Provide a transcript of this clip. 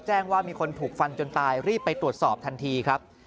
ว่ามีคนถูกฟันจนตายรีบไปตรวจสอบทันทีครับ